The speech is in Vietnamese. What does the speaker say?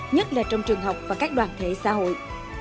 nhất là trong trường học và các đoàn thể xã hội